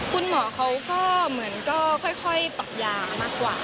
คุณหมอเขาก็เหมือนก็ค่อยปรับยามากกว่า